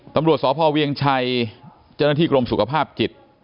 ตำรวจสพเวียงชัยเจ้าหน้าที่กรมสุขภาพจิต